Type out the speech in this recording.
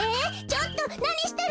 ちょっとなにしてるの？